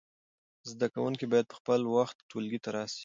زده کوونکي باید په خپل وخت ټولګي ته راسی.